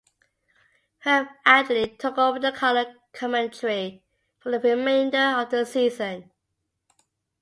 Herb Adderly took over the color commentary for the remainder of the season.